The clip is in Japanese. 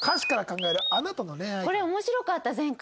これ面白かった前回。